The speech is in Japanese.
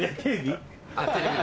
テレビ？